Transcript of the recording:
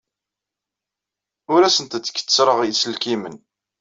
Ur asent-d-kettreɣ iselkimen.